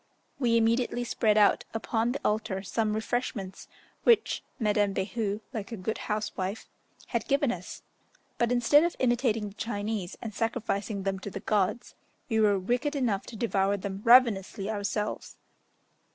We immediately spread out upon the altar some refreshments, which Madame Behu, like a good housewife, had given us; but, instead of imitating the Chinese, and sacrificing them to the gods, we were wicked enough to devour them ravenously ourselves.